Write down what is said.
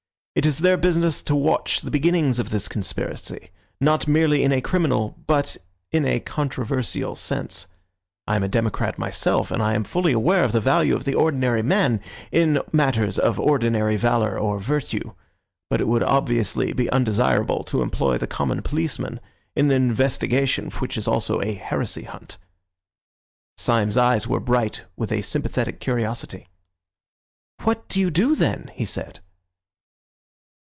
It is their business to watch the beginnings of this conspiracy, not merely in a criminal but in a controversial sense. I am a democrat myself, and I am fully aware of the value of the ordinary man in matters of ordinary valour or virtue. But it would obviously be undesirable to employ the common policeman in an investigation which is also a heresy hunt." Syme's eyes were bright with a sympathetic curiosity. "What do you do, then?" he said.